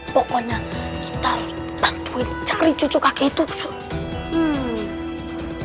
pokoknya kita harus bantu cari cucu kakek itu susun